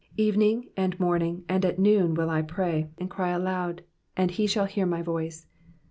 21 17 Evening, and morning, and at noon, will I pray, and cry aloud : and he shall hear my voice.